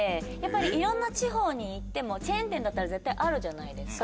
いろんな地方に行ってもチェーン店だったら絶対あるじゃないですか。